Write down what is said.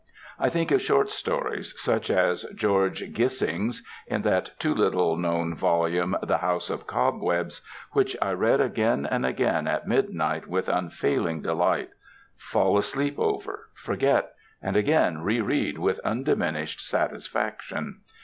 I think of short stories such as George Gissing's, in that too little known volume The House of Cobwebs, which I read again and again at midnight with unfailing delight; fall asleep over; forget; and again re read with undiminished satisfaction.